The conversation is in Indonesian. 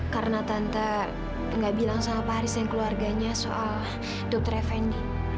karena tante nggak bilang sama pak haris dan keluarganya soal dokter efendi